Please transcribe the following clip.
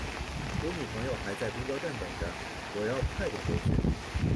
我女朋友还在公交站等着，我要快点回去。